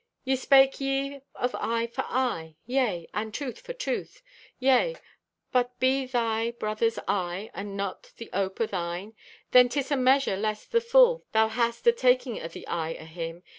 "Ye spake ye of eye for eye. Yea, and tooth for tooth. Yea, but be thy brother's eye not the ope o' thine, then 'tis a measure less the full thou hast at taking o' the eye o' him.